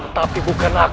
tetapi bukan aku